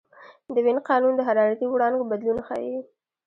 د وین قانون د حرارتي وړانګو بدلون ښيي.